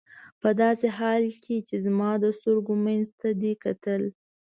په داسې حال کې چې زما د سترګو منځ ته دې کتل.